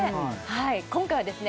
今回はですね